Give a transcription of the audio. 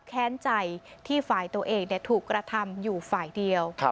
แค้นใจที่ฝ่ายตัวเองถูกกระทำอยู่ฝ่ายเดียว